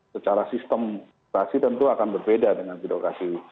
secara sistem birokrasi tentu akan berbeda dengan birokrasi